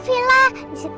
captain fala ketemu al